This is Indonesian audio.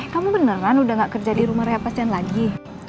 kamu beneran udah gak kerja di rumah rehab pasien lagi